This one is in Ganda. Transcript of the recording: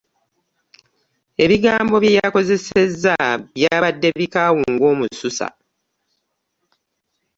Ebigambo bge yakozesezza byabadde bikaawu nga musota.